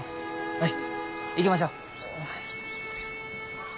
はい行きましょう。